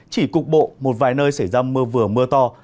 chỉ cục bộ một vài nơi xảy ra mưa vừa mưa to